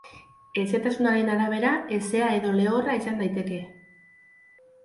Hezetasunaren arabera, hezea edo lehorra izan daiteke.